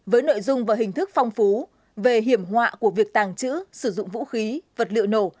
với nội dung và hình thức phong phú về hiểm họa của việc tàng trữ sử dụng vũ khí vật liệu nổ